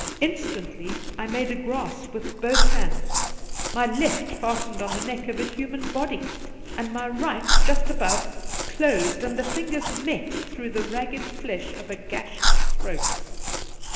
Instantly I made a grasp with both hands ; my left fastened on the neck of a human body, and my right, just above, closed, and the fingers met through the ragged flesh of a gashed throat.